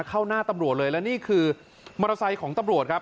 เข้าหน้าตำรวจเลยและนี่คือมอเตอร์ไซค์ของตำรวจครับ